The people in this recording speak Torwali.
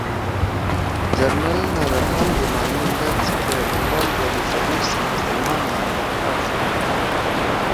جنرل نادرخان گے مالی امداد سی کیا اقبال برصغیر سی مسلمانا ئے درخواست کی